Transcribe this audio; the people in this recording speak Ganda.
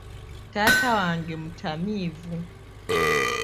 Taata wange mutamiivu.